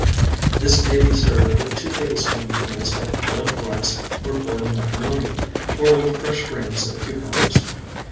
This may be served with two tablespoonfuls of boiled rice or boiled macaroni, or with fresh rings of cucumbers.